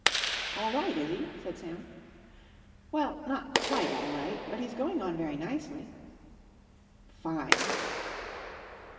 "All right, is he?" said Sam. "Well, not quite all right, but he's going on very nicely." "Fine!"